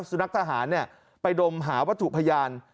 สุนัขทหารไปดมหาวัตถุพยาน